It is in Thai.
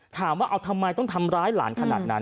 ถามว่าเอาทำไมต้องทำร้ายหลานขนาดนั้น